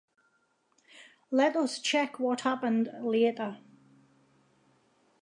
Let us check what happened later.